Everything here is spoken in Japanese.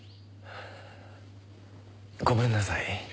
ごめんなさい。